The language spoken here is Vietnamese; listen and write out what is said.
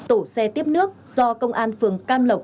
tổ xe tiếp nước do công an phường cam lộc